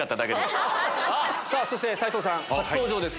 そして斎藤さん初登場です